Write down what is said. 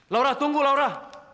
laura tunggu laura